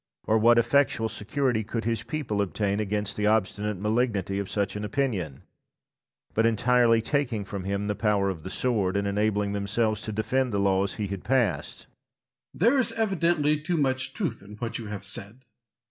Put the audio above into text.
or what effectual security could his people obtain against the obstinate malignity of such an opinion, but entirely taking from him the power of the sword, and enabling themselves to defend the laws he had passed? Lord Falkland. There is evidently too much truth in what you have said.